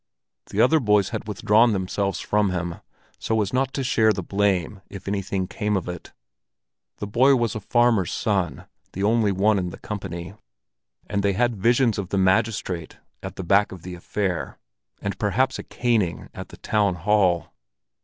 The other boys had withdrawn themselves from him, so as not to share the blame if anything came of it; the boy was a farmer's son—the only one in the company—and they had visions of the magistrate at the back of the affair, and perhaps a caning at the town hall.